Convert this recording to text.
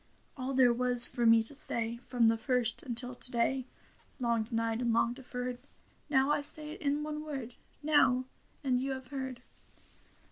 All there was for me to say From the first until to day. Long denied and long deferred. Now I say it in one word — Now ; and you have heard.